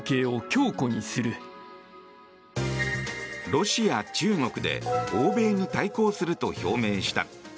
ロシア、中国で欧米に対抗すると表明した。